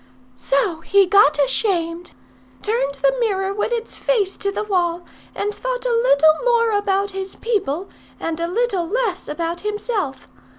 So he got ashamed, turned the mirror with its face to the wall, and thought a little more about his people, and a little less about himself.